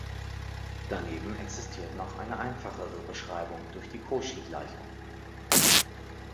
Daneben existiert noch eine einfachere Beschreibung durch die Cauchy-Gleichung.